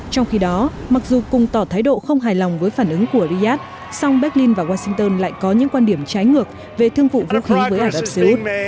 trong khi đó mặc dù cùng tỏ thái độ không hài lòng với phản ứng của riyadh song berlin và washington lại có những quan điểm trái ngược về thương vụ vũ khí với ả rập xê út